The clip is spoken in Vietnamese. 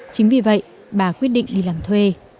chính vì vậy bà quyết định đi làm thuê